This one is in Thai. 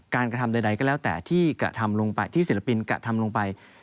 กระทำใดก็แล้วแต่ที่กระทำลงไปที่ศิลปินกระทำลงไป